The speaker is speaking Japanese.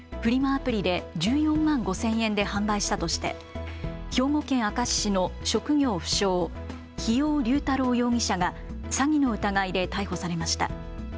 アプリで１４万５０００円で販売したとして兵庫県明石市の職業不詳、日用竜太郎容疑者が詐欺の疑いで逮捕されました。